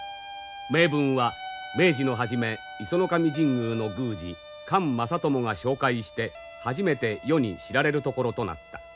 銘文は明治の初め石上神宮の宮司菅政友が紹介して初めて世に知られるところとなった。